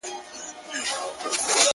مړ مه سې. د بل ژوند د باب وخت ته.